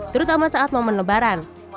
terutama saat momen lebaran